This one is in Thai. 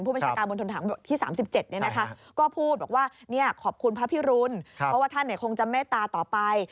ผู้บัญชาการบนทนฐานที่๓๗นี้นะคะก็พูดว่าขอบคุณพระพิรุณเพราะว่าท่านเนี่ยคงจะแม่ตาต่อไป